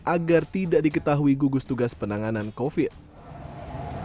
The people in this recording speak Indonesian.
agar tidak diketahui gugus tugas penanganan covid